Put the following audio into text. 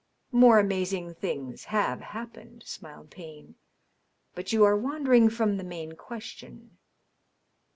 " More amazing things hive happened," smiled Payne. " But you are wandering from the main question.